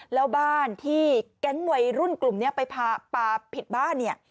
แล้วบ้านที่แก๊งวัยรุ่นกลุ่มนี้ไปพาปลาผิดบ้านเนี่ย